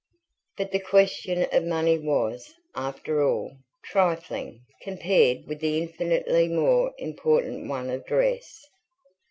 But the question of money was, after all, trifling, compared with the infinitely more important one of dress.